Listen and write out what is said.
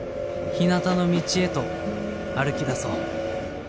「ひなたの道へと歩きだそう。